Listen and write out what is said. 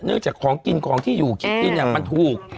เนื่องจากของกินกองที่อยู่คิดกินอย่างมันถูก